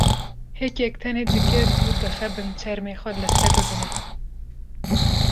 hêkek tenê dike û dixe bin çermê xwe li ser rûdine.